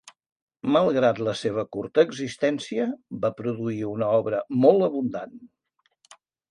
Malgrat la seva curta existència, va produir una obra molt abundant.